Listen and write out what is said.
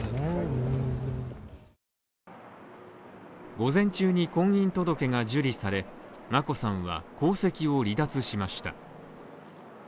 午前中に婚姻届が受理され、眞子さんは、皇籍を離脱しました。